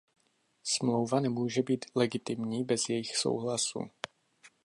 Smlouva nemůže být legitimní bez jejich souhlasu.